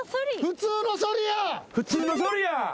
普通のソリや。